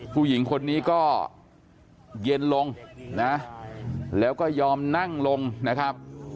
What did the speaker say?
ผู้หญิงคนนี้ก็เย็นลงนะแล้วก็ยอมนั่งลงนะครับ